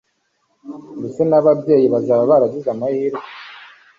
ndetse n ababyeyi bazaba baragize amahirwe